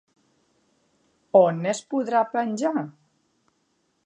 On es podrà penjar?